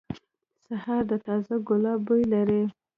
سهار د تازه ګلاب بوی لري.